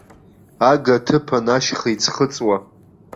Ага аҭыԥан ашьха иӡхыҵуа.